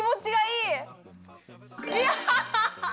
いやハハ！